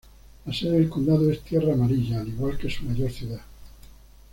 La sede del condado es Tierra Amarilla, al igual que su mayor ciudad.